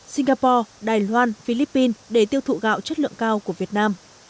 singapore đài loan philippines để tiêu thụ gạo chất lượng cao của việt nam